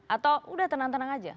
atau sudah tenang tenang saja